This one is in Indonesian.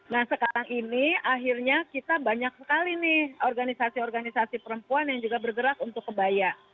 nah sekarang ini akhirnya kita banyak sekali nih organisasi organisasi perempuan yang juga bergerak untuk kebaya